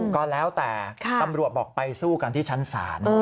ก็แล้วแต่ตำรวจบอกไปสู้กันที่ชั้นศาล